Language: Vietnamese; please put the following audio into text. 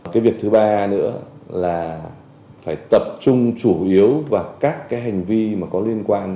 cái việc thứ ba nữa là phải tập trung chủ yếu vào các cái hành vi mà có liên quan